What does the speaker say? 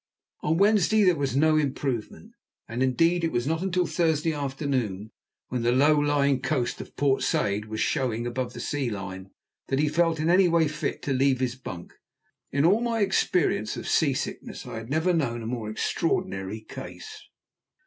On Wednesday there was no improvement, and, indeed, it was not until Thursday afternoon, when the low lying coast of Port Said was showing above the sea line, that he felt in any way fit to leave his bunk. In all my experience of sea sickness I had never known a more extraordinary case.